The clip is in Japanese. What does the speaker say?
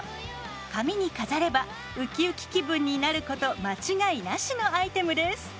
髪に飾ればウキウキ気分になること間違いなしのアイテムです。